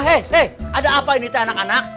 hehehe ada apa ini teh anak anak